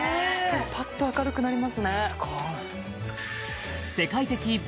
パッと明るくなりますね